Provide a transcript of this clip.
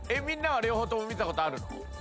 みんなは両方とも見たことあるの？